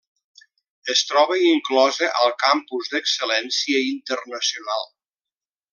Es troba inclosa al campus d'excel·lència internacional.